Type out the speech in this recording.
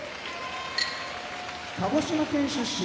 鹿児島県出身